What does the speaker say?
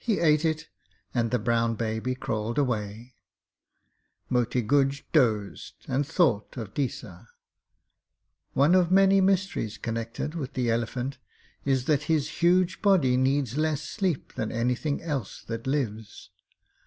He ate it, and the brown baby crawled away. Moti Guj dozed, and thought of Deesa. One of many mysteries connected with the elephant is that his huge body needs less sleep than anything else that lives.